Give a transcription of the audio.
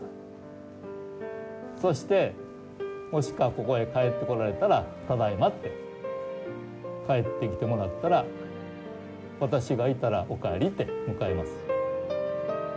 そしてもしくはここへ帰ってこられたら「ただいま」って帰ってきてもらったら私がいたら「おかえり」って迎えます。